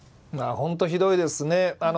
本当ひどいですね。